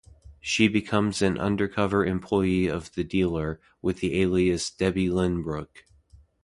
She becomes an undercover employee of the dealer, with the alias Debbie Lynbrook.